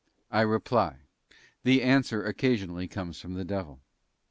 I reply, the answer occasionally comes from the devil.